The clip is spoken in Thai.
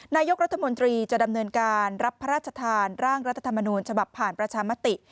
นายกรัฐมนตรีจะดำเนินการรับพระราชทานร่างรัฐธรรมนูญฉบับผ่านประชามติ